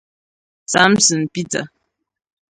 Samson Peter